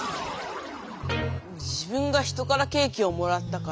自分が人からケーキをもらったから。